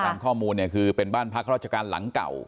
ตามข้อมูลเนี่ยคือเป็นบ้านพักราชการหลังเก่า